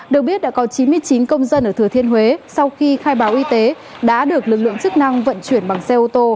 được biết đã có chín mươi chín công dân ở thừa thiên huế sau khi khai báo y tế đã được lực lượng chức năng vận chuyển bằng xe ô tô